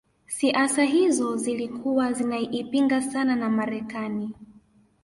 siasa hizo zilikuwa zinaipinga sana na Marekani